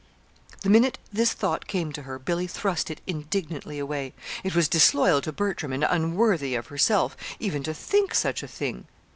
The minute this thought came to her, Billy thrust it indignantly away. It was disloyal to Bertram and unworthy of herself, even to think such a thing.